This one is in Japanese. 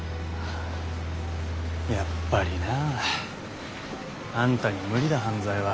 やっぱりな。あんたには無理だ犯罪は。